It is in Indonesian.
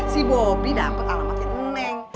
si bobi dapet alamatnya eneng